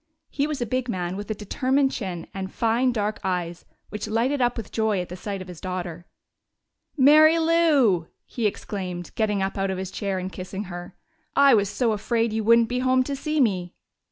He was a big man with a determined chin and fine dark eyes which lighted up with joy at the sight of his daughter. "Mary Lou!" he exclaimed, getting up out of his chair and kissing her. "I was so afraid you wouldn't be home to see me!"